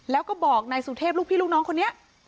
แล้วก็บอกนายสุเทพลูกพี่ลูกน้องคนนี้